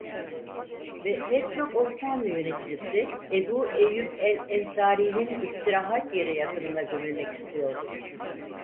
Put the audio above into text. Ve pek çok Osmanlı yöneticisi Ebu Eyyûb el-Ensarî'nin istirahat yeri yakınına gömülmek istiyordu.